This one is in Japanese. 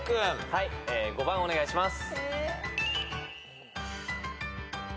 はい５番お願いします。